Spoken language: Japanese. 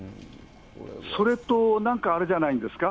それと、なんかあれじゃないんですか。